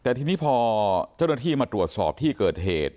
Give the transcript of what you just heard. แต่ทีนี้พอเจ้าหน้าที่มาตรวจสอบที่เกิดเหตุ